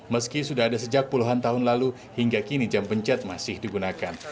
meski sudah ada sejak puluhan tahun lalu hingga kini jam pencet masih digunakan